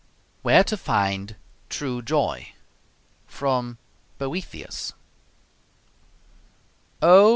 WHERE TO FIND TRUE JOY From 'Boethius' Oh!